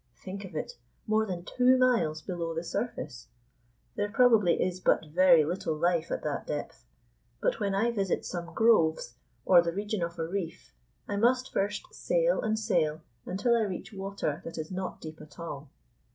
Think of it! More than two miles below the surface. There probably is but very little life at that depth. But when I visit some groves, or the region of a reef, I must first sail and sail until I reach water that is not deep at all.